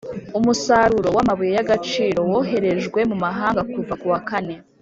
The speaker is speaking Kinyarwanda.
Umusaruro w amabuye y agaciro woherejwe mu mahanga kuva ku wakane